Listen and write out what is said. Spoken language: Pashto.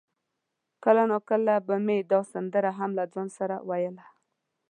کله ناکله به مې دا سندره هم له ځانه سره ویله.